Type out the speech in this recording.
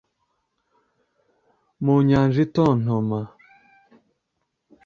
Mu nyanja itontoma